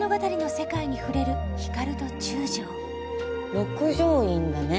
六条院だね。